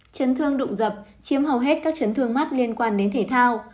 chấn thương đụng dập chiếm hầu hết các chấn thương mắt liên quan đến thể thao